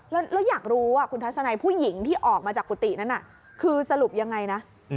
แล้วอยากรู้ว่าคุณทัศนัยผู้หญิงที่ออกมาจากกุฏินั้นคือสรุปยังไงนะ